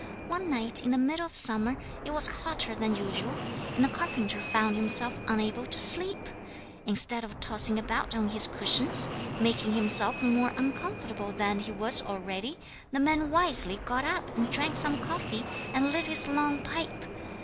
'One night in the middle of summer it was hotter than usual, and the carpenter found himself unable to sleep. Instead of tossing about on his cushions, making himself more uncomfortable than he was already, the man wisely got up and drank some coffee and lit his long pipe.